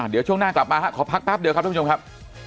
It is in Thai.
เดี๋ยวช่วงหน้ากลับมาขอพักแป๊บเดียวครับทุกผู้ชมครับ